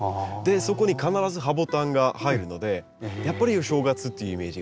そこに必ずハボタンが入るのでやっぱりお正月っていうイメージがありますね。